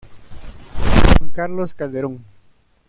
Juan Carlos Calderón.